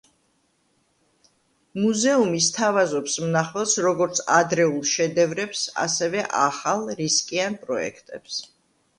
მუზეუმი სთავაზობს მნახველს როგორც ადრეულ შედევრებს, ასევე ახალ, რისკიან პროექტებს.